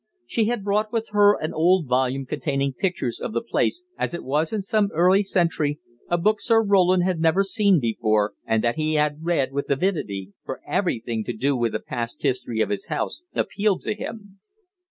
She had brought with her an old volume containing pictures of the place as it was in some early century, a book Sir Roland had never seen before, and that he had read with avidity, for everything to do with the past history of his house appealed to him.